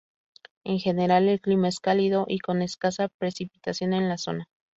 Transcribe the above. En general el clima es cálido y con escasa precipitación en la zona.